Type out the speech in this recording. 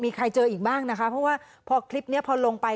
มีใครเจออีกบ้างนะคะเพราะว่าพอคลิปนี้พอลงไป